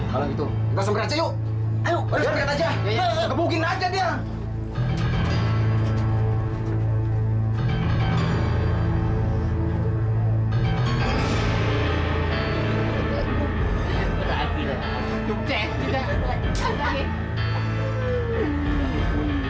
kalau gitu kita semgeret aja yuk